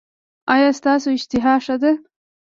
ایا ستاسو اشتها ښه ده؟